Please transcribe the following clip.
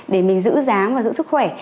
để mình giữ rán và giữ sức khỏe